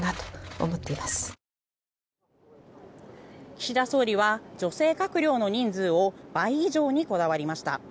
岸田総理は女性閣僚の人数を倍以上にこだわりました。